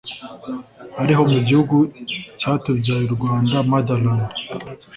ariho mu gihugu cyatubyaye u Rwanda (Motherland)